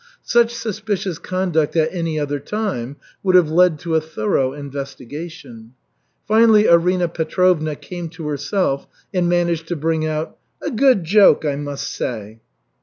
Such suspicious conduct at any other time would have led to a thorough investigation. Finally Arina Petrovna came to herself and managed to bring out: "A good joke, I must say."